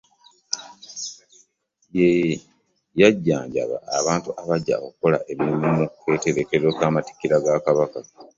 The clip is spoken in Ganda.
Ye yajjanjaba abantu abajja okukola emirimo mu keetereekerero k’amatikkira ga Kabaka.